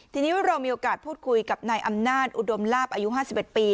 ทีนี้ว่าเรามีโอกาสพูดคุยกับนายอำนาจอุดอมลาบอายุห้าสิบเอ็ดปี